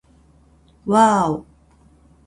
わぁお